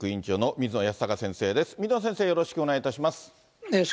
水野先生、よろしくお願いいたします。